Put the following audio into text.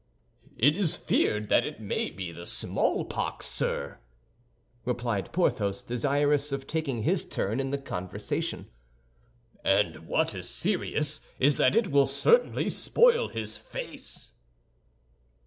"It is feared that it may be the smallpox, sir," replied Porthos, desirous of taking his turn in the conversation; "and what is serious is that it will certainly spoil his face."